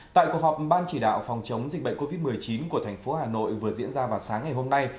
tại cuộc họp ban chỉ đạo phòng chống dịch bệnh covid một mươi chín của thành phố hà nội vừa diễn ra vào sáng ngày hôm nay